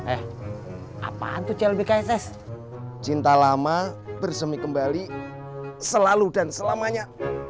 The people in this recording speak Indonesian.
eh apaan tuh clbkss cinta lama bersemih kembali selalu dan selamanya